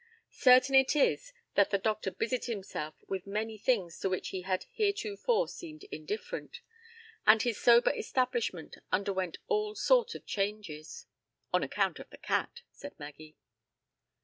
Certain it is that the doctor busied himself with many things to which he had heretofore seemed indifferent, and his sober establishment underwent all sorts of changes. "All on account of the cat," said Maggie.